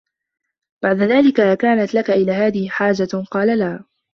بَعْدَ ذَلِكَ أَكَانَتْ لَك إلَى هَذَا حَاجَةٌ ؟ قَالَ لَا